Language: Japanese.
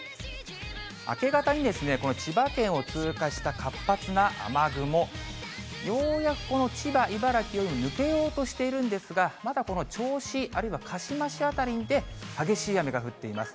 明け方にこの千葉県を通過した活発な雨雲、ようやくこの千葉、茨城を抜けようとしているんですが、まだこの銚子、あるいは鹿嶋市辺りで激しい雨が降っています。